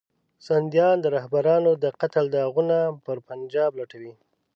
سندیان د رهبرانو د قتل داغونه پر پنجاب لټوي.